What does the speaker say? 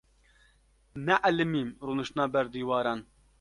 Neelîmin rûniştina ber dîwaran.